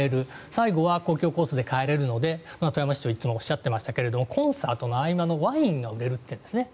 最後は公共交通で帰れるので富山市長はいつももおっしゃっていましたがコンサートの合間のワインが売れるっていうんですね。